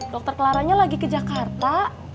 dokter clara nya lagi ke jakarta